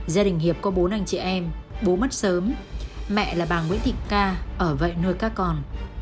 gia đình hiệp có bốn anh chị em bố mất sớm mẹ là bà nguyễn thịnh ca ở vệ nuôi các con